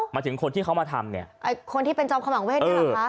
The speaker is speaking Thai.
มาถึงคนที่เขามาทำเนี่ยไอ้คนที่เป็นจอมขมังเวทเนี่ยเหรอคะ